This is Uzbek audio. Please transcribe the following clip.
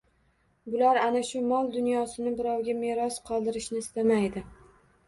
Bular ana shu mol-dunyosini birovga meros qoldirishni istamaydi.